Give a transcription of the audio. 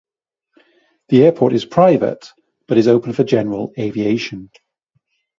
The airport is private, but is open for general aviation.